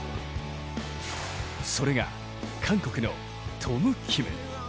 それが、韓国のトム・キム。